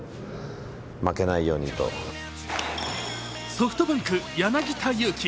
ソフトバンク・柳田悠岐。